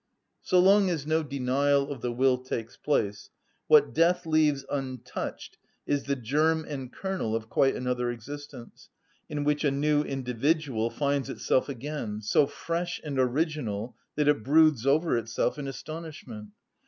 So long as no denial of the will takes place, what death leaves untouched is the germ and kernel of quite another existence, in which a new individual finds itself again, so fresh and original that it broods over itself in astonishment.